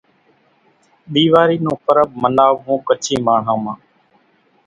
ۮيواري نون پرٻ مناوون ڪڇي ماڻۿان مان